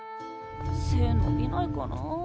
背のびないかなあ。